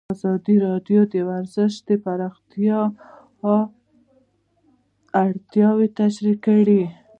ازادي راډیو د ورزش د پراختیا اړتیاوې تشریح کړي.